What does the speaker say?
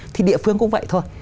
thì địa phương cũng vậy thôi